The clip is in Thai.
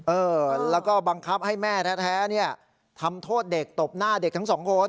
เออแล้วก็บังคับให้แม่แท้เนี่ยทำโทษเด็กตบหน้าเด็กทั้งสองคน